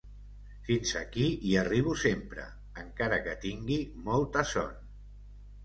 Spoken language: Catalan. Fins aquí hi arribo sempre, encara que tingui molta son.